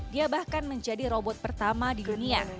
dia bahkan menjadi robot pertama di dunia